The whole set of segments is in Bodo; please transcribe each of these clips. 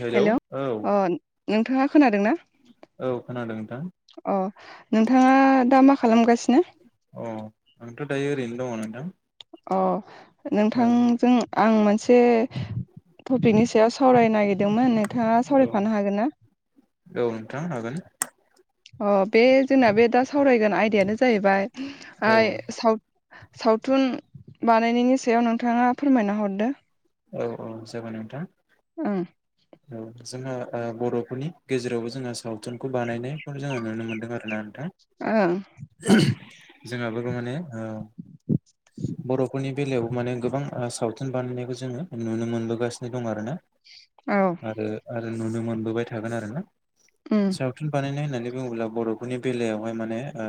हेलौ हेल' औ अ नोंथाङा खोनादों ना? औ खोनादों नोंथां। अ नोंथाङा दा मा खालाम गासिनो? अ आंथ' दायो ओरैनो दङ नोंथां। अ औ नोंथांजों आं मोनसे टपिकनि सायाव सावरायनो नागिरदोंमोन नोंथाङा औ सावरायफानो हागोन ना? औ नोंथां हागोन। अ बे जोंना बे दा सावरायगोन आयदायानो जाहैबाय औ आइ सा सावथुन बानायनायनि सायाव नोंथाङा फोरमायना हरदो। औ औ जागोन नोंथां। ओं। औ जोङो ओ बर'फोरनि गेजेरावबो जोङो सावथुनखौ बानायनायखौ जोङो नुनो मोनदों आरोना। दा ओं [unintelligible] जोंहाबो [unintelligible] ओ बर'फोरनि बेलायावबो माने गोबां सावथुन बानायनायखौ जोङो नुनो मोनबोगासिनो दं आरोना। औ। ओ आरो नुनो मोनबोबाय थागोन आरोना उम साव थुन बानायनाय होननानै बुङोब्ला बर'फोरनि बेलायावहाय माने ओ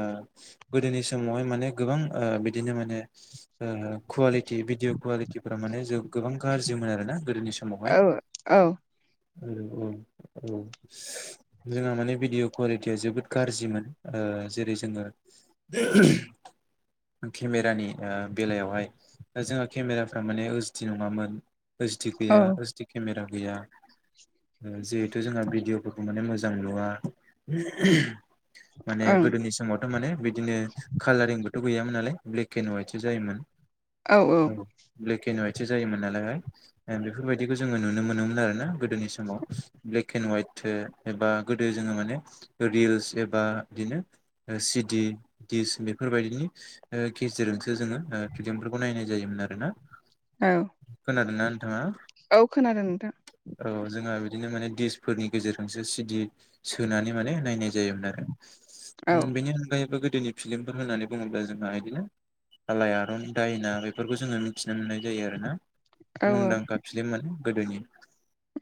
गोदोनि समावहाय माने गोबां ओ बिदिनो माने ओ कुवालिटि भिडिअ कुवालिटिफोरा माने जोब गोबां गाज्रिमोन आरोना गोदोनि समावहाय औ औ औ औ औ जोंहा माने भिडिअ' कुवालिटिया जोबोद गाज्रिमोन ओ जेरै जोङो [unintelligible] केमेरानि ओ बेलायावहाय दा जोंहा केमेराफ्रा माने ओइस डि नङामोन ओइस डि औ गैया ओइस डि केमेरा गैया ओ जिहेथु जोंहा भिडिअफोरखौ माने मोजां नुवा [unintelligible] माने ओं गोदोनि समाव थारमाने बिदिनो कालारिंबोथ' गैयामोन नालाय ब्लेक एण्ड हयाइटसो जायोमोन औ औ ब्लेक एन हवाइटसो जायोमोन नालायहाय ओ बेफोरबायदिखौ जोङो नुनो मोनोमोन आरो ना गोदोनि समाव ब्लेक एन्ड हवाइट ओ एबा गोदो जोङो माने रिल्स एबा बिदिनो औ सिडि दिस बेफोरबायदिनि ओ केसेटजोंसो जोङो ओ फिलिमफोरखौ नायनाय जायोमोन आरो ना औ खोनादोंना नोंथाङा औ खोनादों नोंथां औ जोंहा बिदिनो माने दिसफोरनि गेजेरजोंसो सिडि सोनानै माने नायनाय जायोमोन आरो औ ओम बेनि अनगायैबो गोदोनि फिलिमफोर होननानै बुङोब्ला जोंहा बिदिनो आलायारन दायना बेफोरखौ जोङो मिथिनो मोननाय जायो आरोना औ मुंदांखा फिल्म माने गोदोनि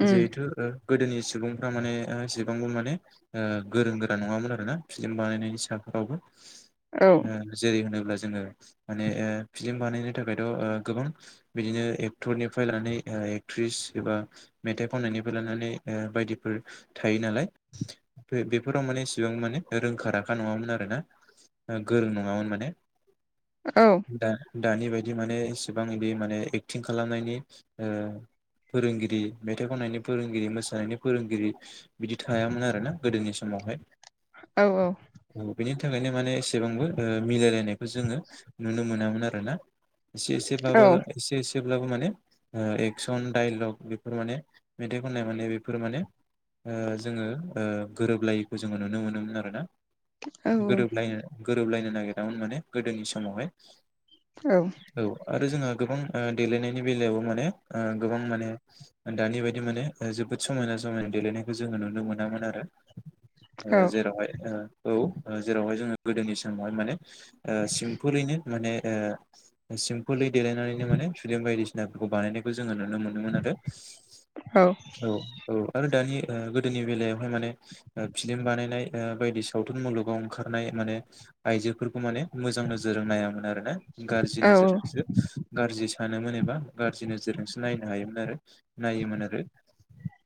उम जिहेथु ओ गोदोनि सुबुंफ्रा माने एसेबांबो माने ओ गोरों गोरा नङामोन आरो ना फिल्म बानायनायनि साफोरावबो औ ओ जेरै- होनोब्ला जोङो माने ओ फिलिम बानायनो थाखायथ' गोबां बिदिनो एक्टरनिफ्राय लानानै ओ एक्ट्रिस एबा मेथाइ खननायनिफ्राय लानानै ओ बायदिफोर थायो नालाय बे-बेफोराव माने इसिबां माने रोंखा राखा नङामोन आरो ना ओ गोरों नङामोन माने औ दा-दानि बायदि माने एसेबां बिदि माने एक्टिं खालामनायनि ओ फोरोंगिरि मेथाइ खननायनि फोरोंगिरि मोसानायनि फोरोंगिरि बिदि थायामोन आरोना गोदोनि समावहाय औऔ औ बेनि थाखायनो माने एसेबांबो ओ मिलायलायनायखौ जोङो नुनो मोनामोन आरोना एसे औ एसेब्लाब एसे एसेब्लाबो माने ओ एक्सन डाइलग बेफोर माने मेथाइ खननाय माने बेफोर माने ओ जोंङो गोरोबलायैखौ जोंङो नुनो मोनोमोन आरो ना गोरोबलायनो गोरोबलायनो नागिरामोन माने गोदोनि समावहाय औ आरो जोंहा गोबां ओ देलायनायनि बेलायाव माने ओ गोबां माने दानि बायदि माने जोबोद समायना समायना देलायनायखौ जोंङो नुनो मोनामोन आरो। ओ जेरावहाय ओ औ जेरावहाय जोंङो गोदोनि समावहाय माने ओ सिमफुलयैनो माने ओ सिम फुलै देलायनानैनो माने सुदेम बायदिसिनाफोरखौ बानायनायखौ जोंङो नुनो मोनोमोन आरो। औ औ औ आरो दानि ओ गोदोनि बेलायावहाय माने ओ फिलिम बानायनाय ओ बायदि सावथुन मुलुगाव ओंखारनाय माने आइजोफोरखौ माने मोजां नोजोरजों नायामोन आरोना गारजि नोजोरजों गारजि सानोमोन एबा गारजि नोजोरजोंसो नायनो हायोमोन आरो नायोमोन आरो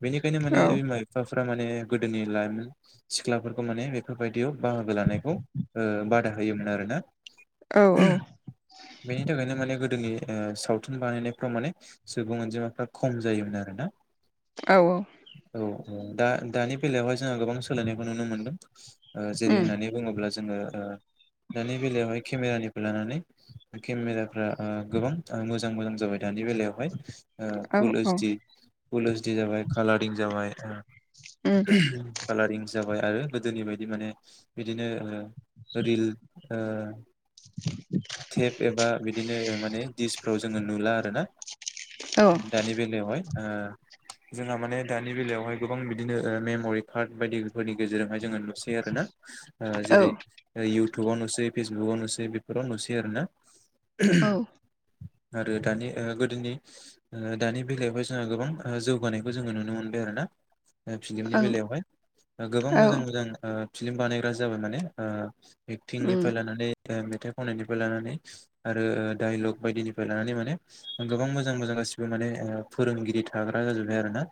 बेनिखायनो माने बिमा बिफाफोरा माने गोदोनि लायमोन सिख्लाफोरखौ माने बेफोरबायदियाव बाहागो लानायखौ ओ बादा होयोमोन आरोना। औ औ बिनि थाखायनो माने गोदोनि ओ सावथुन बानायनायफ्राव माने सुबुं अनजिमाफ्रा खम जायोमोन आरोना। औ औ औ औ दा दानि बेलायावहाय जोंहा गोबां सोलायनायखौ नुनो मोनदों ओ जेरै उम होननानै बुंङोब्ला जोंङो ओ दानि बेलायावहाय केमेरानिफ्राय लानानै केमेराफ्रा ओ गोबां मोजां मोजां जाबाय दानि बेलायावहाय ओ औ फुल उम ओजडि पुल ओइस डि जाबाय कालारिं जाबाय उम खालारिं जाबाय आरो गोदोनि बायदि माने बिदिनो रिल ओ [inaudible] टेप एबा बिदिनो माने डिसफ्राव जोंङो नुला आरो ना। औ दानि बेलायावहाय ओ जोंहा माने दानि बेलायावहाय गोबां बिदिनो ओ मेम'रि कार्ड बायदिफोरनि गेजेरावहाय जोंङो नु नुसै आरो ना ओ जेरै इउटुबाव नुसै फेसबुकाव नुसै बेफोराव नुसै आरो ना? ओं उमह आरो दानि ओ गोदोनि ओ दानि बेलायावहाय जोंहा गोबां जौगानायखौ जोंङो नुनो मोनबाय आरो ना ओ औ फिलिमनि उम बेलायावहाय गोबां औ औ मोजां मोजां ओ फिलिम बानायग्रा जाबाय माने ओ उम एक्टिंनिफ्राय लानानै ओ मेथाइ खननायनिफ्राय लानानै आरो डाइलग बायदिनिफ्राय लानानै माने गोबां मोजां मोजां गासिबो माने ओ फोरोंगिरि थाग्रा जाजोब्बाय आरो ना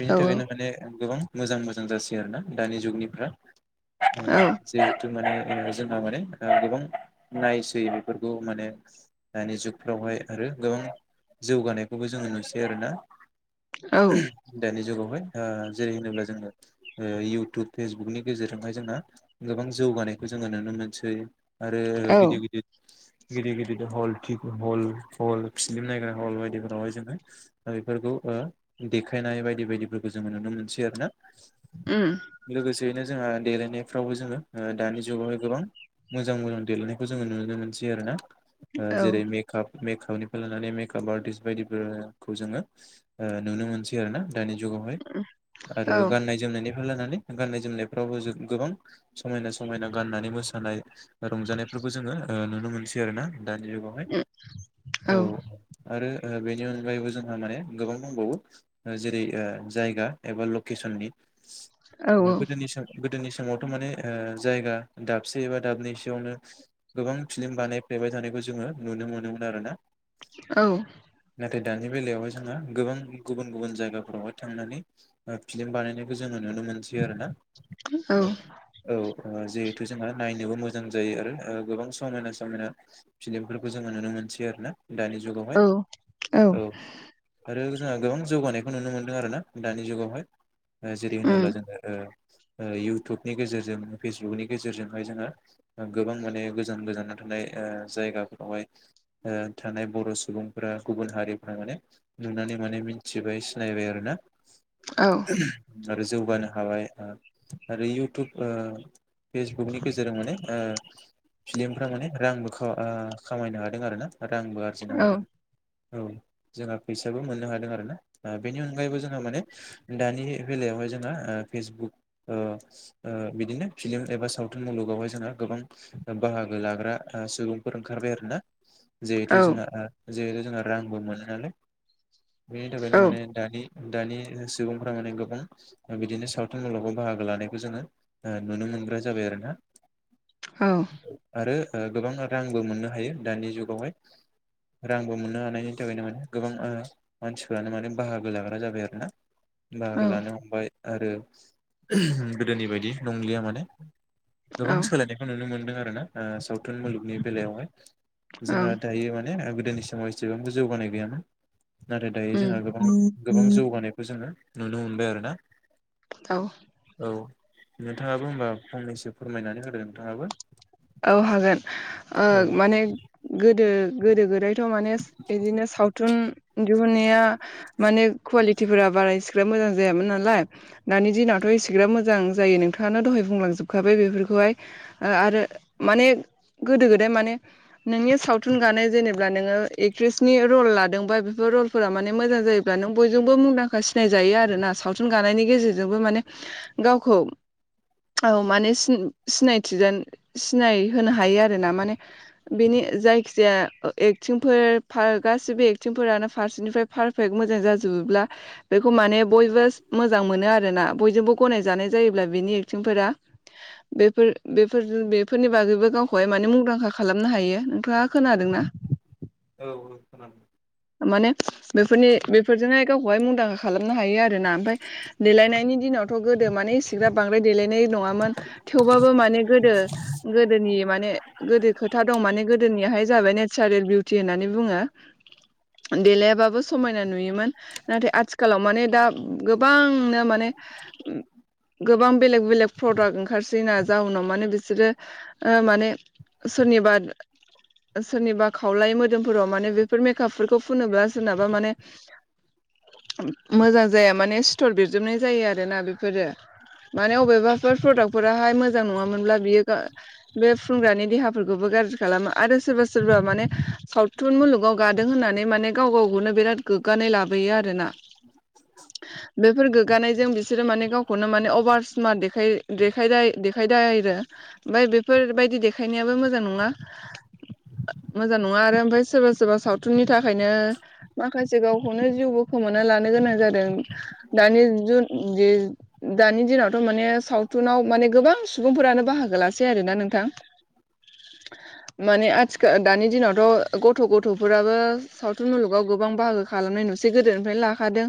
बेनि औ उम थाखायनो माने गोबां मोजां मोजां जासै आरोना दानि जुगनिफ्रा ओ औ औ जिहेथु माने ओ जोंहा माने ओ गोबां नायसै बेफोरखौ माने दानि जुगफ्रावहाय आरो गोबां जौगानायखौबो जोंङो नुसै आरो ना औ उम औ उमह दानि जुगावहाय ओ जेरै होनोब्ला जोंङो ओ इउटुब फेसबुकनि गेजेरजोंहाय जोंहा गोबां जौगानायखौ जोंङो नुनो मोनसै। आरो औ गिदिद ओं गिदिद गिदिर गिदिर हल [unintelligible] हल हल फिलिम नायग्रा हल बायदिफोरावहाय जोङो दा बेफोरखौ ओ देखायनाय बायदि बायदिफोरखौ जोङो नुनो मोनसै आरो ना। उम। लोगोसेयैनो जोंहा देलायनायफ्रावबो जोङो ओ दानि जुगावहाय गोबां मोजां मोजां देलायनायखौ जोङो नुनो मोनसै आरो ना ओ जेरै मे काप मेकापनिफ्राय लानानै मेकाप आर्टिस्ट बायदिफोरखौ जोङो ओ नुनो मोनसै आरो ना। दानि जुगावहाय आरो गाननाय जोमनायनि फ्राय लानानै गाननाय जोमनायफ्रावबो जों गोबां समायना समायना गाननानै मोसानाय रंजानायफोरबो जोङो ओ नुनो मोनसै आरो ना दानि जुगावहाय औ। आरो ओ बेनि अनगायैबो जोंहा माने गोबां दंबावो। ओ जेरै ओ जायगा एबा लकेसननि। गोदोनि सम गोदोनि समावथ' माने ओ जायगा दाबसे एबा दाबनैसोयावनो गोबां फिलिम बानायफ्लेबाय थानायखौ जोङो नुनो मोनोमोन आरो ना। औ। नाथाय दानि बेलायावहाय जोंहा गोबां गुबुन गुबुन जायगाफोरावहाय थांनानै ओ फिलिम बानायनायखौ जोङो नुनो मोनसै आरो ना। [unintelligible] औ जिहेथु जोंहा नायनोबो मोजां जायो आरो ओ गोबां समायना समायना फिलिमफोरखौ जोङो नुनो मोनसै आरो ना। दानि जुगावहाय औ। आरो जोंहा गोबां जौगानायखौ नुनो मोनदों आरो ना दानि जुगावहाय। ओ जेरै होनोब्ला जोङो ओ ओ इउटुबनि गेजेरजों फेसबुकनि गेजेरजोंहाय जोङो गोबां माने [unintelligible] गोजान गोजानाव थानाय ओ जायगाफोरावहाय ओ थानाय बर' सुबुंफोरा गुबुन हारिफ्रा माने नुनानै माने मिन्थिबाय सिनायबाय आरो ना। औ। आरो जौगानो हाबाय आरो इउटुब ओ फेसबुकनि [unintelligible] माने ओ फिलिमफ्रा माने रांबो खौ ओ खामायनो हादों आर ना रांबो आरजिनो हादों। औ जोंहा फैसाबो मोननो हादों आरो ना बेनि अनगायैबो जोंहा माने दानि बेलायावहाय जोंहा ओ फेसबुक ओ ओ बिदिनो फिलिम एबा सावथुन मुलुगावहाय जोंहा गोबां बाहागो लाग्रा ओ सुबुंफोर ओंखारबाय आरोना जिहेथु जोंहा ओ जिहेथु जोंहा रांबो मोनो नालाय बेनि थाखायनो माने दानि दानि सुबुंफोरा माने गोबां बिदिनो सावथुन मुलुगाव बाहागो लानायखौ जोङो ओ नुनो मोनग्रा जाबाय आरो ना। औ। आरो ओ गोबां रांबो मोननो हायो दानि जुगावहाय। रांबो मोन्नो हानायनि थाखायनो माने गोबां ओ मानसिफोरानो माने बाहागो लाग्रा जाबाय आरो ना। बाहागो लानो हमबाय आरो गोदोनि बायदि नंलिया माने गोबां सोलायनायखौ नुनो मोनदों आरो ना ओ सावथुन मुलुग नि बेलायावहाय जोंहा दायो माने गोदोनि समाव एसेबांबो जौगानाय गैयामोन। नाथाय दायो जोंहा गोबां गोबां जौगानायखौ जोङो नुनो मोनबाय आरोना। औ औ नोंथाङाबो होमबा फंनैसो फोरमायनानै होदो नोंथाङाबो औ हागोन ओ औ माने गोदो गोदो गोदाय थ' माने बेदिनो सावथुन दिहुनाया माने क्वालिटिफोरा बारा इसिग्रा मोजां जायामोन नालाय दानि दिनावथ' एसेग्राब मोजां जायो नोंथाङानो दहाय बुंलांजोबखाबाय बेफोरखौहाय आरो माने गोदो गोदाय माने नोंनि सावथुन गानाय जेनेब्ला नोङो एक्ट्रेसनि रल लादोंबा बेफोर रल फोरा माने मोजां जायोब्ला नों बयजोंबो मुंदांखा सिनायजायो आरो ना सावथुन गानायनि गेजेरजोंबो माने गावखौ औ माने सिन सिनायथि जानो सिनाय होनो हायो आरो ना माने बेनि जायखिजाया एक्थिंफोर फार गासिबो एक्थिंफोरानो फारसेनिफ्राय फारफेक्ट मोजां जाजोबोब्ला बेखौ माने बयबो मोजां मोनो आरोना बयजोंबो गनायजानाय जायोब्ला बेनि एक्टिंफोरा बेफोर बेफोर बे बेफोरनि बागैबो गावखौहाय माने मुंदांखा खालामनो हायो नोंथाङा खोनादों ना औ औ खोनादों माने बेफोरनि बेफोरजोंहाय गावखौहाय मुंदांखा खालामनो हायो आरोना ओमफाय देलायनायनि दिनावथ' गोदो माने सिग्रा बांद्राय देलायनाय नङामोन थेवबाबो माने गोदो गोदोनि माने गोदो खोथा दं माने गोदोनिहाय जाबाय नेचारेल बिउटि होननानै बुङो देलायाबाबो समायना नुयोमोन नाथाय आथिखालाव माने दा गोबांनो माने गोबां बेलेग बेलेग प्रडाक्ट ना जाउनाव बिसोरो ओ माने सोरनिबा सोरनिबा खावलाय मोदोमफोराव माने बेफोर मेकप फोरखौ खौ फुनोबा सोरनाबा माने मोजां जाया माने सिथर बिरजोबनाय जायो आरोना बेफोरो माने अबबेबाफोर प्रडाक्टफोराहाय मोजां नङामोनब्ला बियो बे फुनग्रानि देहाफोरखौबो गाज्रि खालामो आरो सोरबा सोरबा माने सावथुन मुलुगाव गादों होननानै माने गाव गावखौनो बिराद गोग्गानाय लाबोयो आरो ना बेफोर गोग्गानायजों बि बिसोरो माने गावखौनो माने अभार स्मार्ट देखाय देखाय देखायदाय आरो ओमफाय बेफोरबायदि देखायनायाबो मोजां नङा मोजां नङा आरो ओमफाय सोरबा सोरबा सावथुननि थाखायनो माखासे गावखौनो जिउबो खोमाना लानो गोनां जादों दानि जुद जि दानि दिनावथ' माने सावथुनाव माने गोबां सुबुंफोरानो बाहागो लासै आरो ना नोंथां माने आथिखा दानि दिनावथ' गथ' गथ' फोराबो सावथुन मुलुगाव गोबां बाहागो खालामनाय नुसै गोदोनिफ्राय लाखादों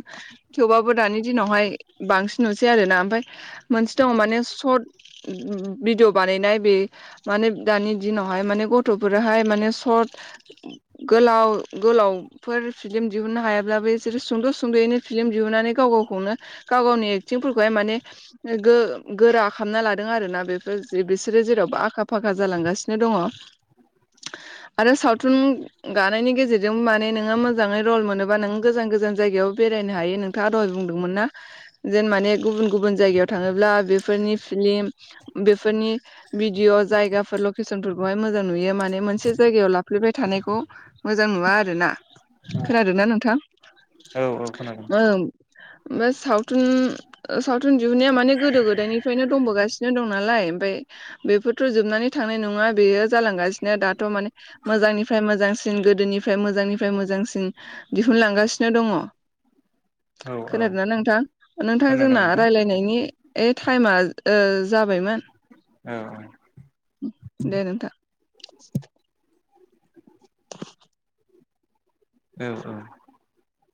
थेवबाबो दानि दिनावहाय बांसिन नुसै आरो ना ओमफ्राय मोनसे दङ माने सर्ट उमम भिडिअ बानायनाय बे माने दानि दिनावहाय माने गथ'फोरहाय माने सर्ट गोलाव गोलावफोर फिलिम दिहुननो हायाब्लाबो बिसोरो सुंद' सुंद'यैनो फिलिम दिहुननानै गाव गावखौनो गाव गावनि एक्टिंफोरखौहाय माने गो गोरा खालामनालादों आरो ना बेफोर बिसोरो जेरावबो आखा फाखा जालांगासिनो नो दङ आरो सावथुन गानायनि गेजेर जों माने नोङो मोजाङै रल मोनोबा नों गोजान गोजान जायगायाव बेरायनो हायो नोंथाङा दहय बुंदोंमोन ना। जेन माने गुबुन गुबुन जायगायाव थाङोब्ला बेफोरनि फिलिम बेफोरनि भिदिअ' जायगाफोर लकेसनफोरखौहाय मोजां नुयो माने मोनसे जायगायाव लाफ्लेबाय थानायखौ मोजां नुवा आरोना। खोनादों ना नोंथां? औ औ खोनादों [unintelligible] सावथुन ओ सावथुन दिहुनाया माने गोदो गोदायनिफ्रायनो दंबोगासिनो दं नालाय ओमफाय बेफोरथ' जोबनानै थांनाय नङा बेयो जालांगासिनो दाथ' माने मोजांनिफ्राय मोजांसिन गो गोदोनिफ्राय मोजांनिफ्राय मोजांसिन दिहुनलांगासिनो दङ। औ औ खोनादोंना नोंथां? नोंथां खोनादों जोंना नोंथां रायलायनायनि ए टाइमा ओ जाबायमोन। औ औ। देे नोंथां। औ औ